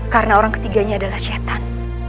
karena orang ketiganya adalah syetan